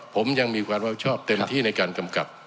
ผมยังมีความรับผิดชอบเต็มที่ในการกำกับ